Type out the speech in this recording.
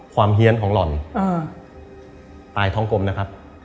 เฮียนของหล่อนตายท้องกลมนะครับ